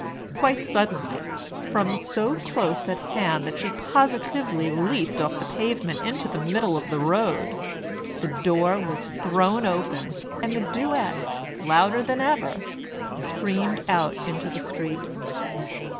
Quite suddenly, from so close at hand that she positively leaped off the pavement into the middle of the road, the door was thrown open and the duet, louder than ever, streamed out into the street.